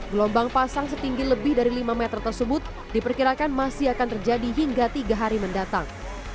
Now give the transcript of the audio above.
gelombang pasang setinggi lebih dari lima meter tersebut diperkirakan masih akan terjadi hingga tiga hari mendatang